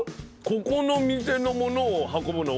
ここの店のものを運ぶの？